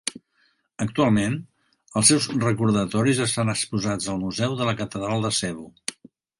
Actualment, els seus recordatoris estan exposats al museu de la Catedral de Cebu.